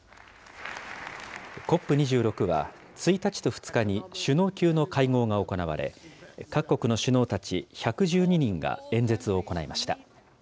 ＣＯＰ２６は、１日と２日に首脳級の会合が行われ、各国の首脳たち１１２人が演説を行いました。